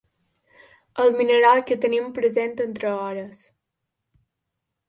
El mineral que tenim present entre hores.